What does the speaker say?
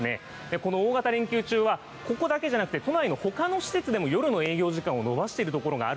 この大型連休中は、ここだけじゃなくて、都内のほかの施設でも夜の営業時間を延ばしている所があ